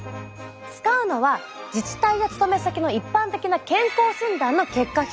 使うのは自治体や勤め先の一般的な健康診断の結果表。